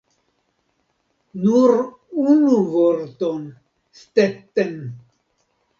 Nur unu vorton, Stetten!